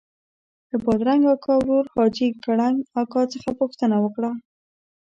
له بادرنګ اکا ورور حاجي کړنګ اکا څخه پوښتنه وکړه.